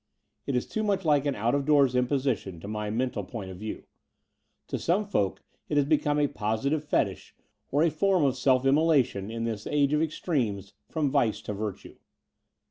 It is too much like an out of doors imposition, to my mental point of view. To some folk it has become a positive fetish or a form of self immolation in this age of extremes ftom vice to virtue.